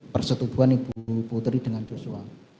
persetubuhan ibu putri dengan joshua